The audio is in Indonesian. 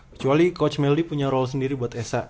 kecuali coach meldy punya role sendiri buat sa